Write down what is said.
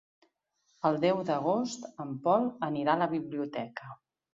El deu d'agost en Pol anirà a la biblioteca.